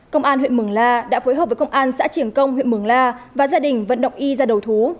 công an huyện mường la đã phối hợp với công an xã triềng công huyện mường la và gia đình vận động y ra đầu thú